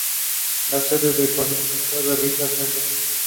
He dropped out of eighth grade.